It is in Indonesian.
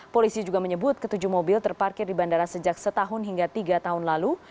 polisi juga menyebut ketujuh mobil terparkir di bandara sejak setahun hingga tiga tahun lalu